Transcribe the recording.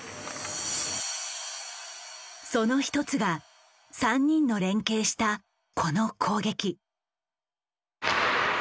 その一つが３人の連係したこの攻撃。